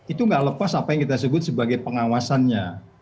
itu nggak lepas apa yang kita sebut sebagai pengawasannya